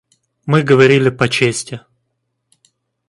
Мы говорили по чести.